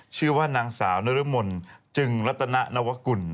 ชื่อว่านางสาวนรมนจึงรัตนวกุล